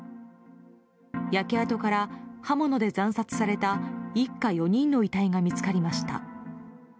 焼け跡から、刃物で惨殺された一家４人の遺体が見つかりました。